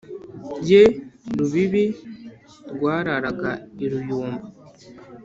ye rubibi rwararaga i ruyumba,